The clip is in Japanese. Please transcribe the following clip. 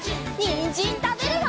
にんじんたべるよ！